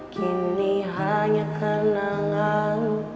kini hanya kenangan